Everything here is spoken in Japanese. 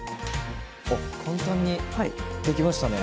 おっ簡単に出来ましたね。